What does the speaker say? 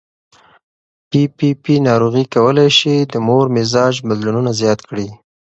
پي پي پي ناروغي کولی شي د مور مزاج بدلونونه زیات کړي.